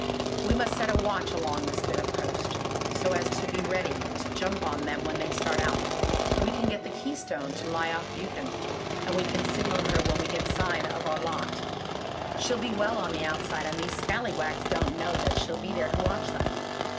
We must set a watch along this bit of coast, so as to be ready to jump on them when they start out. We can get the Keystone to lie off Buchan; and we can signal her when we get sign of our lot. She'll be well on the outside, and these scallywags don't know that she'll be there to watch them.